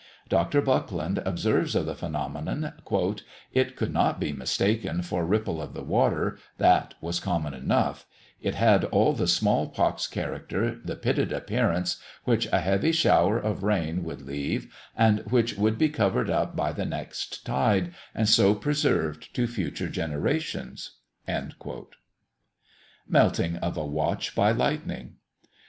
Dr. Buckland observes of the phenomenon: "It could not be mistaken for ripple of the water, that was common enough: it had all the small pox character, the pitted appearance, which a heavy shower of rain would leave, and which would be covered up by the next tide, and so preserved to future generations." MELTING OF A WATCH BY LIGHTNING.